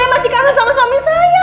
saya masih kangen sama suami saya